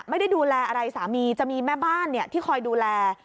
ไม่ได้ดูแลอะไรสามีจะมีแม่บ้านที่คอยดูแล